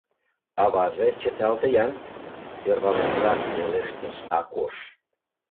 — Аваже, чыталте-ян, — сӧрваленрак пелештыш Акош.